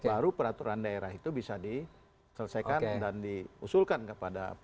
baru peraturan daerah itu bisa diselesaikan dan diusulkan kepada